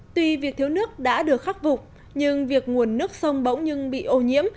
tuy việc thiếu nước đã được khắc vục nhưng việc nguồn nước sông bỗng nhưng bị ô nhiễm